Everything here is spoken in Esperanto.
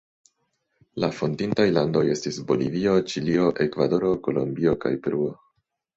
La fondintaj landoj estis Bolivio, Ĉilio, Ekvadoro, Kolombio kaj Peruo.